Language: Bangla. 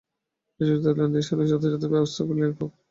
এসব জটিলতা নিরসনে সরকার যথাযথ ব্যবস্থা নিলে এ প্রক্রিয়া আরও ফলপ্রসূ হবে।